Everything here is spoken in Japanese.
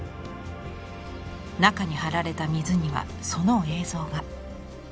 中に張られた水にはその映像が。